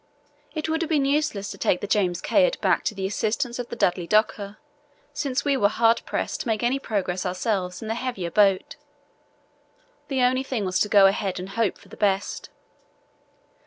It would have been useless to take the James Caird back to the assistance of the Dudley Docker since we were hard pressed to make any progress ourselves in the heavier boat. The only thing was to go ahead and hope for the best.